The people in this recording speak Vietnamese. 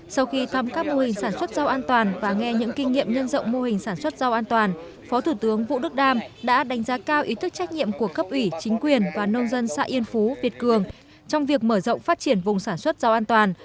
sau khi thăm các mô hình sản xuất rau an toàn và nghe những kinh nghiệm nhân rộng mô hình sản xuất rau an toàn phó thủ tướng vũ đức đam đã đánh giá cao ý thức trách nhiệm của cấp ủy chính quyền và nông dân xã yên phú việt cường trong việc mở rộng phát triển vùng sản xuất rau an toàn